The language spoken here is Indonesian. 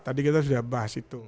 tadi kita sudah bahas itu